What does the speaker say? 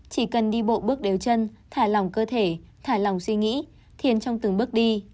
chỉ cần đi bộ bước đều chân thả lòng cơ thể thải lòng suy nghĩ thiền trong từng bước đi